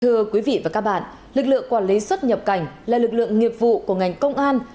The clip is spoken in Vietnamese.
thưa quý vị và các bạn lực lượng quản lý xuất nhập cảnh là lực lượng nghiệp vụ của ngành công an